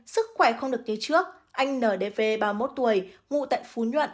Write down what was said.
sức khỏe không được như trước anh nở đế vê ba mươi một tuổi ngủ tại phú nhoạn